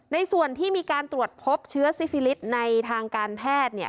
ในส่วนที่มีการตรวจพบเชื้อซิฟิลิสในทางการแพทย์